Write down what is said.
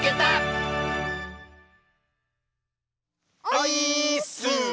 オイーッス！